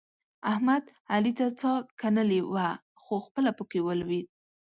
احمد؛ علي ته څا کنلې وه؛ خو خپله په کې ولوېد.